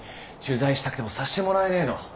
取材したくてもさせてもらえねえの